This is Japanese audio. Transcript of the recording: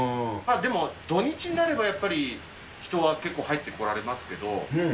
でも、土日になれば、やっぱり人は結構入ってこられますけど。